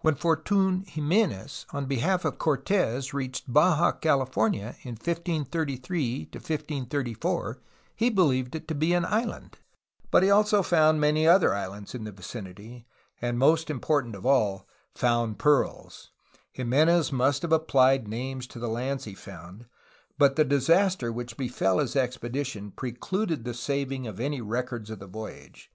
When Fortiin Jimenez on behalf of Cortes reached Baja California in 1533 1534, he believed it to be an island, but he ORIGIN AND APPLICATION OF THE NAME CALIFORNIA 65 also found many other islands in the vicinity and, most im portant of all, found pearls. Jimenez must have applied names to the lands he found, but the disaster which befell his expedition precluded the saving of any records of the voyage.